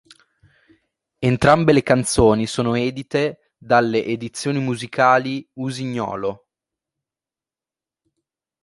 Entrambe le canzoni sono edite dalle edizioni musicali Usignolo.